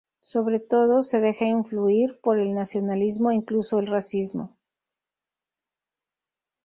Sobre todo, se deja influir por el nacionalismo e incluso el racismo.